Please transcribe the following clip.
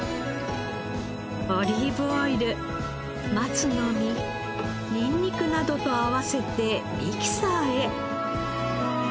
オリーブオイル松の実ニンニクなどと合わせてミキサーへ。